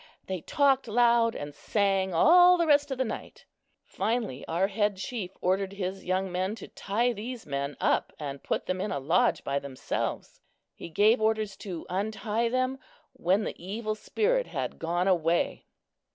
They talked loud and sang all the rest of the night. Finally our head chief ordered his young men to tie these men up and put them in a lodge by themselves. He gave orders to untie them "when the evil spirit had gone away."